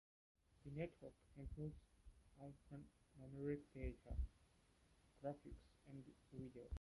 The network handles alphanumeric data, graphics, and video.